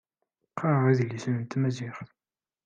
Qqareɣ idlisen n tmaziɣt.